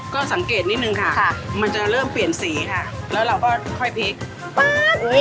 ก็สังเกตนิดนึงค่ะมันจะเริ่มเปลี่ยนสีค่ะแล้วเราก็ค่อยพลิกป๊าดเอ้ย